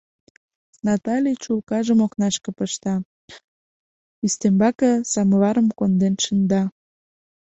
Натале чулкажым окнашке пышта, ӱстембаке самоварым конден шында.